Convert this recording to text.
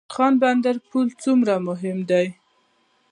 د شیرخان بندر پل څومره مهم دی؟